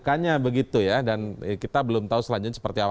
bukannya begitu ya dan kita belum tahu selanjutnya seperti apa